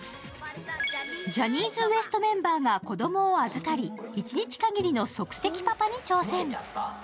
ジャニーズＷＥＳＴメンバーが子供を預かり、一日限りの即席パパに挑戦。